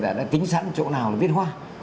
đã tính sẵn chỗ nào viết hoa